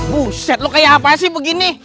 buset lo kayak apa sih begini